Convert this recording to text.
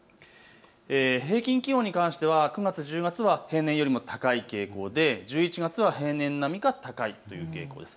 平均気温に関しては９月１０月は平年よりも高い傾向で１１月は平年並みか高いという傾向です。